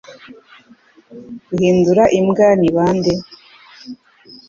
Guhindura imbwa ni bande?